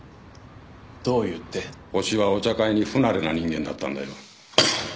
ホシはお茶会に不慣れな人間だったんだよ